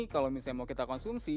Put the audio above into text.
kalau misalnya mau kita konsumsi